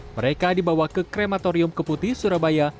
mereka dibawa ke krematorium keputi surabaya